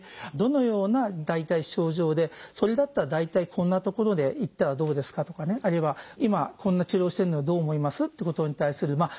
どのような大体症状でそれだったら大体こんな所で行ったらどうですかとかねあるいは今こんな治療してるのはどう思います？っていうことに対する。